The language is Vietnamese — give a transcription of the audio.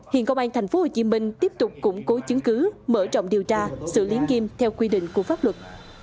hiện công an tp hcm tiếp tục củng cố chứng cứ mở rộng điều tra xử lý nghiêm theo quy định của pháp luật